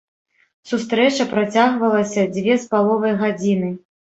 Сустрэча працягвалася дзве з паловай гадзіны.